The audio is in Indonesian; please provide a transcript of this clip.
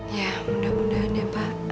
ya mudah mudahan ya pak